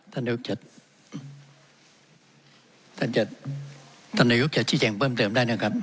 ท่านนายุคเจ็ดท่านนายุคเจ็ดท่านนายุคเจ็ดที่แจ่งเพิ่มเติมได้เนี่ยครับ